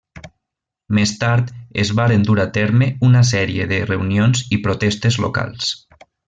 Més tard, es varen dur a terme una sèrie de reunions i protestes locals.